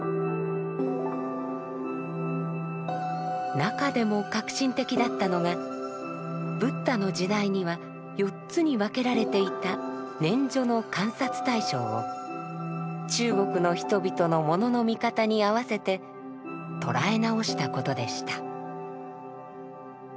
中でも革新的だったのがブッダの時代には四つに分けられていた「念処」の観察対象を中国の人々のものの見方に合わせてとらえ直したことでした。